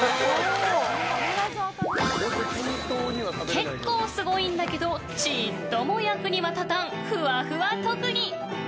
結構すごいんだけどちっとも役には立たんふわふわ特技。